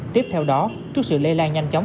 tiếp theo đó trước sự lây lan nhanh chóng